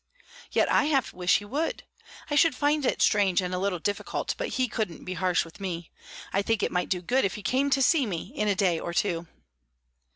"Yet I half wish he would. I should find it strange and a little difficult, but he couldn't be harsh with me. I think it might do good if he came to see me in a day or two."